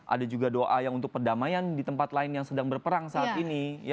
ada juga doa yang untuk perdamaian di tempat lain yang sedang berperang saat ini